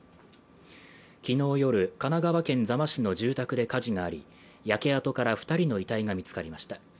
昨日夜、神奈川県座間市の住宅で火事があり焼け跡から２人の遺体が見つかりました。